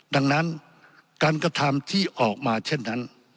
ดังนั้นการกระทำที่ออกมาเช่นนั้น